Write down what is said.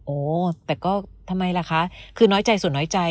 โอ้แต่ก็ทำไมล่ะคะคือน้อยใจส่วนน้อยใจ